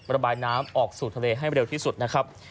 ระบายน้ำออกสู่ทะเลให้เร็วที่สุดนะครับ